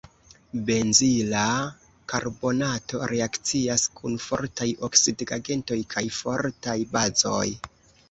Benzila karbonato reakcias kun fortaj oksidigagentoj kaj fortaj bazoj.